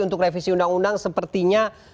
untuk revisi undang undang sepertinya